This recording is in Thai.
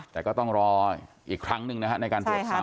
แต่ก็ต้องรออีกครั้งหนึ่งนะฮะในการตรวจสอบ